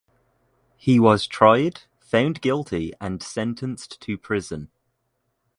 He was tried, found guilty and sentenced to prison.